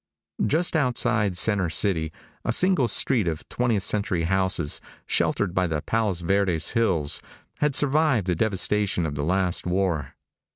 Just outside center city a single street of twentieth century houses, sheltered by the Palos Verdes Hills, had survived the devastation of the last war.